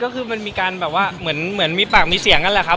ก็คือมันมีการแบบว่าเหมือนมีปากมีเสียงนั่นแหละครับ